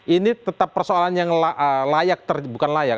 ini tetap persoalan yang layak bukan layak